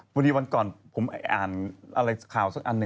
เมื่อดีวันก่อนผมอ่านข่าวสักอันนะ